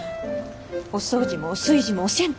お掃除もお炊事もお洗濯も。